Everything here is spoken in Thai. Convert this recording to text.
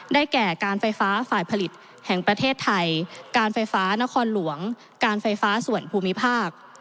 แก่การไฟฟ้าฝ่ายผลิตแห่งประเทศไทยการไฟฟ้านครหลวงการไฟฟ้าส่วนภูมิภาค